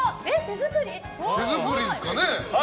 手作りですかね？